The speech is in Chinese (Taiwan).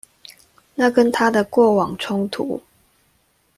那跟他的過往衝突